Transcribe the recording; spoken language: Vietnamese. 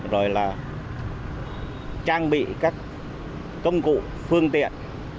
rồi trang bị các công cụ phương tiện